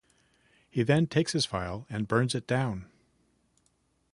He then takes his file and burns it down.